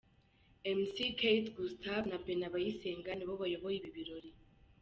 Mc Kate Gustave na Beni Abayisenga nibo bayoboye ibi birori.